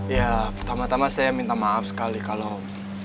ya pertama tama saya minta maaf sekali kalau